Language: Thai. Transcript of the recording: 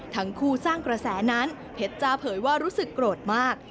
ทั้งคู่สร้างกระแสนั้นเพชรจ้าเผยว่ารู้สึกโกรธมาก